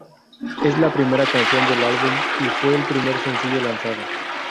Es la primera canción del álbum y fue el primer sencillo lanzado.